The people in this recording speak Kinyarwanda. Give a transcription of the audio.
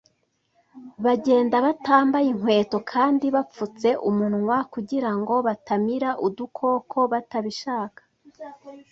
bagenda batambaye inkweto kandi bapfutse umunwa kugira ngo batamira udukoko batabishaka